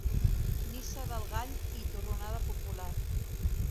Missa del Gall i torronada popular.